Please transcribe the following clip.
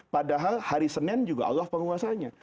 padahal hari senin juga allah penguasanya